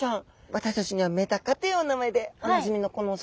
私たちには「メダカ」というお名前でおなじみのこのお魚ちゃん。